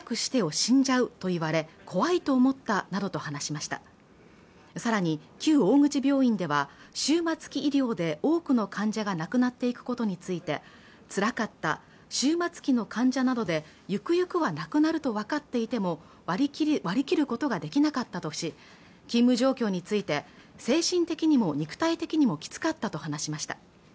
死んじゃうと言われ怖いと思ったなどと話しましたさらに旧大口病院では終末期医療で多くの患者が亡くなっていくことについてつらかった終末期の患者などでゆくゆくはなくなるとわかっていても割り切ることができなかったとし勤務状況について精神的にも肉体的にもきつかったと話しました